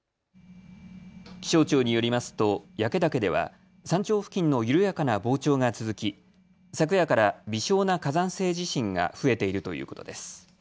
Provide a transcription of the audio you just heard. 気象庁によりますと焼岳では山頂付近の緩やかな膨張が続き昨夜から微小な火山性地震が増えているということです。